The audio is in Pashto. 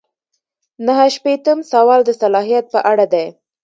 نهه شپیتم سوال د صلاحیت په اړه دی.